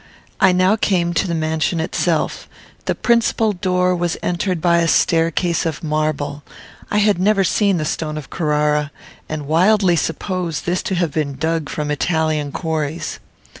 I now came to the mansion itself. The principal door was entered by a staircase of marble. I had never seen the stone of Carrara, and wildly supposed this to have been dug from Italian quarries.